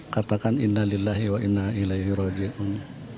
katakan innalillahi wa innaillahi rojiun